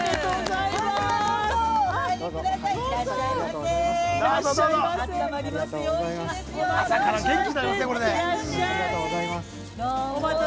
いらっしゃいませ。